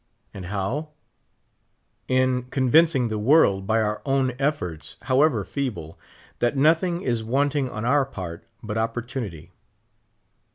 And how ? In convincing the world by our own efforts, however feeble, that nothing is wanting on our part but opportunity.